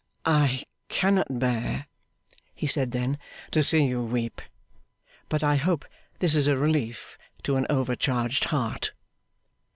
'I cannot bear,' he said then, 'to see you weep; but I hope this is a relief to an overcharged heart.